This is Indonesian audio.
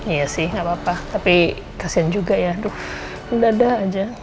iya sih nggak apa apa tapi kasian juga ya aduh mendadak aja